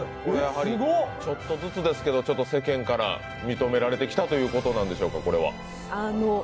ちょっとずつですけど世間から認められてきたということなんでしょうかこれは。